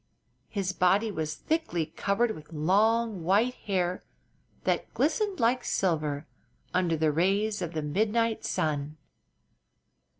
His body was thickly covered with long, white hair that glistened like silver under the rays of the midnight sun.